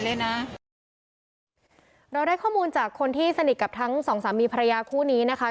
เราได้ข้อมูลจากคนที่สนิทกับทั้งสองสามีภรรยาคู่นี้นะคะ